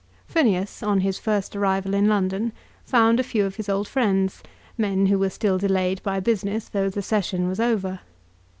Phineas, on his first arrival in London, found a few of his old friends, men who were still delayed by business though the Session was over.